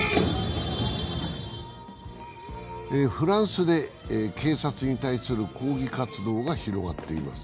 フランスで警察に対する抗議活動が広がっています。